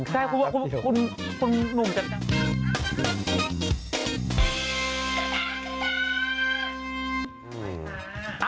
ใช่ผมว่าคุณคุณหนุ่มจะ